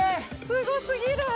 すご過ぎる。